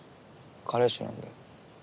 彼氏なんだよ。